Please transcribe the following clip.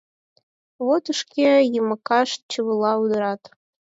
Вот и шке йымакышт чывыла удырат.